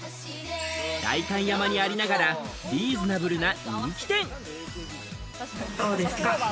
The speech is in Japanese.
代官山にありながらリーズナブルな人気店。